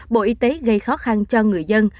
bộ y tế gây khó khăn cho người dân